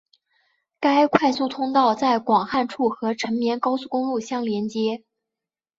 该快速通道在广汉处和成绵高速公路相连接。